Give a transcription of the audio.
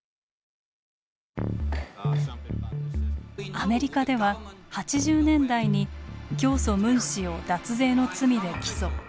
アメリカでは８０年代に教祖・ムン氏を脱税の罪で起訴。